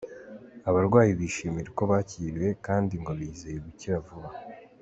Abarwayi bishimira uko bakiriwe kandi ngo bizeye gukira vuba.